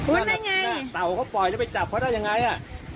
นั่นไงเต่าเขาปล่อยแล้วไปจับเขาได้ยังไงอ่ะ